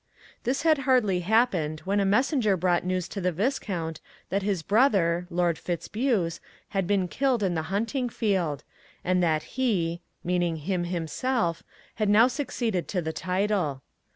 This had hardly happened when a messenger brought news to the Viscount that his brother, Lord Fitz buse had been killed in the hunting field, and that he (meaning him, himself) had now succeeded to the title.